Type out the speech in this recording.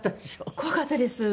怖かったです。